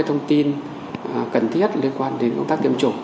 thông tin cần thiết liên quan đến công tác tiêm chủng